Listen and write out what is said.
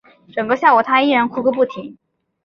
整个下午她依然哭个不停